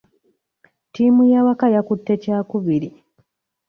Ttiimu y'awaka yakutte kyakubiri.